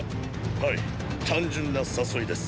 はい単純な“誘い”です。